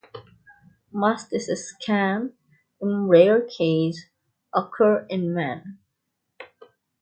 Mastitis can, in rare cases, occur in men.